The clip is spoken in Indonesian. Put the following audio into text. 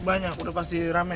banyak udah pasti rame